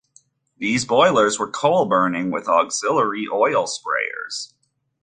These boilers were coal-burning with auxiliary oil sprayers.